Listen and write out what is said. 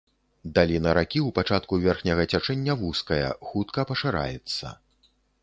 Даліна ракі ў пачатку верхняга цячэння вузкая, хутка пашыраецца.